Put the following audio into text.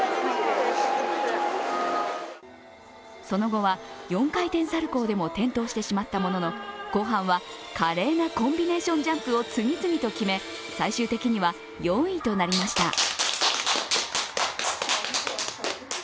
その後は、４回転サルコウでも転倒してしまったものの、後半は華麗なコンビネーションジャンプを次々と決め最終的には４位となりました。